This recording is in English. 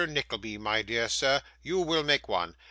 Nickleby, my dear sir, you will make one.